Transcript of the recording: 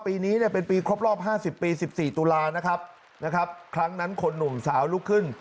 ปีนี้เนี่ยเป็นปีครบรอบ๕๐ปี๑๔ตุลานะครับนะครับครั้งนั้นคนหนุ่มสาวลุกขึ้น